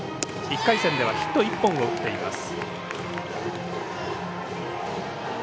１回戦ではヒット１本を打っています。